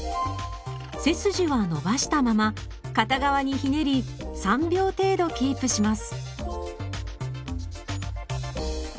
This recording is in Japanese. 背筋は伸ばしたまま片側にひねり３秒程度キープします。